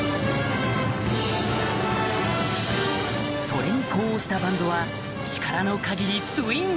それに呼応したバンドは力の限りスイング